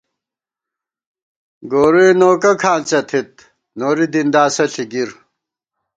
گورُئے نوکہ کھانڅہ تھِت، نوری دِنداسہ ݪی گِر